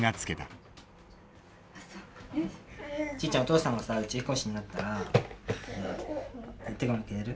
ちちゃんお父さんが宇宙飛行士になったらお手紙くれる？